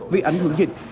vì ảnh hưởng dịch